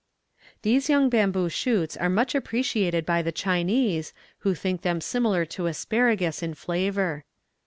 "These young bamboo shoots are much appreciated by the Chinese, who think them similar to asparagus in flavour.